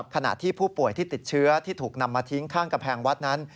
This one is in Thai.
ขณะที่ผู้ป่วยที่ติดเชื้อที่ถูกนำมาทิ้งข้างกำแพงวัดนั้น